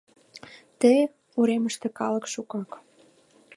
Ты уремыште калык шукак.